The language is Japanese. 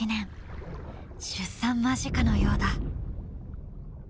出産間近のようだ。